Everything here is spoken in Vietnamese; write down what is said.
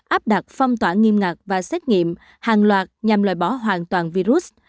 áp đặt phong tỏa nghiêm ngặt và xét nghiệm hàng loạt nhằm loại bỏ hoàn toàn virus